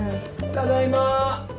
ただいま。